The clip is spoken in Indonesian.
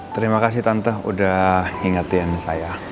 terima kasih tante udah ingetin saya